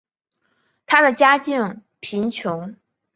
她的家境贫穷。